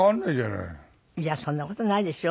いやそんな事ないでしょ。